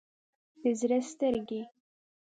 د زړه سترګې